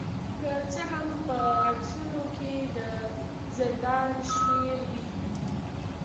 که څه هم په عکسونو کې د زندان شمیرې وې